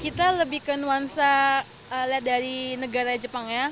kita lebih ke nuansa dari negara jepang ya